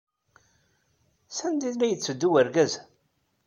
Sanda ay la yetteddu wergaz-a?